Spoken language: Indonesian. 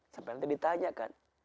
sampai nanti ditanyakan